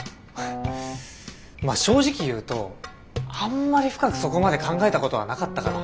まあ正直言うとあんまり深くそこまで考えたことはなかったかな。